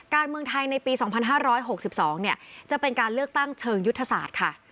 การเมืองไทยในปี๒๕๖๒จะเป็นการเลือกตั้งเชิงยุทธศาสตร์ค่ะ